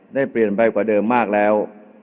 ได้เปลี่ยนไปกว่าเดิมมากแล้ว